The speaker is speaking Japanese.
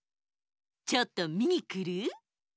ちょっとみにくる？